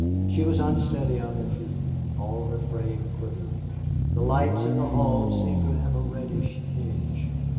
She was unsteady on her feet. All her frame quivered. The lights in the hall seemed to have a reddish tinge.